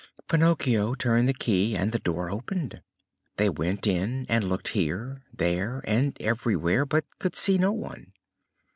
Pinocchio turned the key and the door opened. They went in and looked here, there, and everywhere, but could see no one.